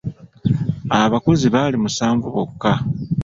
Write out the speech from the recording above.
Abakozi baali musanvu bokka.